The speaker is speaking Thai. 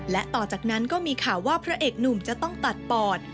และต่อจากนั้นก็มีข่าวว่าพระเอกหนุ่มจะต้องตัดปอด